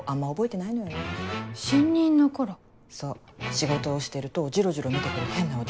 仕事をしてるとジロジロ見て来る変なおじさん。